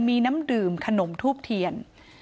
มีน้ำดื่มขนมทูบเทียน